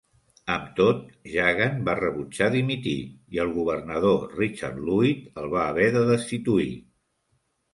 Amb tot, Jagan va rebutjar dimitir i el governador Richard Luyt el va haver de destituir.